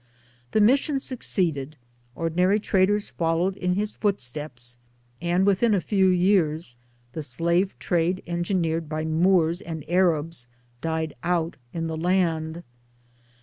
The mission suc ceeded, ordinary traders followed in his footsteps, and within a few years the slave trade engineered by Moors and Arabs died out in the land.